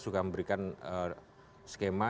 juga memberikan skema